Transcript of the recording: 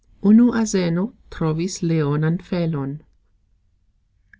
Unu azeno trovis leonan felon.